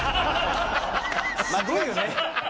すごいよね。